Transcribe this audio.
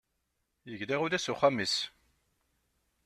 Yegla ula s uxxam-is.